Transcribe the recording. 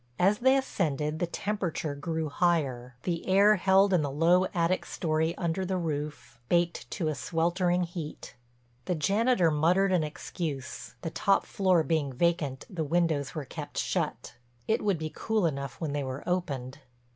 As they ascended the temperature grew higher, the air held in the low attic story under the roof, baked to a sweltering heat. The janitor muttered an excuse—the top floor being vacant the windows were kept shut—it would be cool enough when they were opened.